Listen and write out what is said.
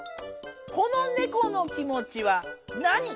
このねこの気もちは何？